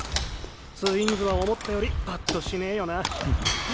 ツインズは思ったよりパッとしねぇよな。